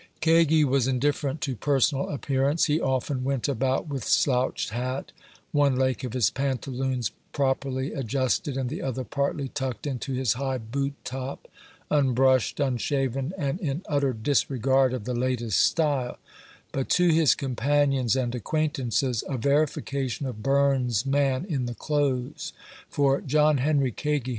Kagi was indifferent to personal appearance; „ he often went about with slouched hat, one leg of his pantaloons properly adjusted, and the other partly tucked into his high boot top; unbrushed, unshaven, and in utter disregard of " the latest style "; but to his companions and acquaintances, a verification of Burns' man in the clothes; for John Henry 16 A VOICE FKOM HARPER'S FERRY.